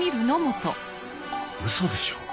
ウソでしょ？